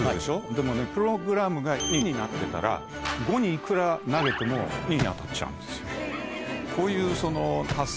でもねプログラムが２になってたら５にいくら投げても２に当たっちゃうんです。